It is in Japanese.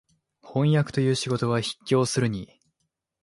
飜訳という仕事は畢竟するに、